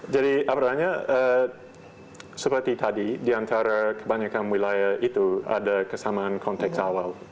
jadi apalagi seperti tadi di antara kebanyakan wilayah itu ada kesamaan konteks awal